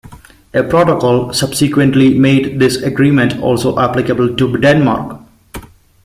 A protocol subsequently made this agreement also applicable to Denmark.